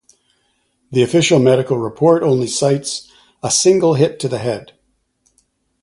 The official medical report only cites a single hit to the head.